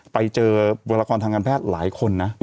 ไปเจอบุรกรทางการแพทย์หลายคนนะ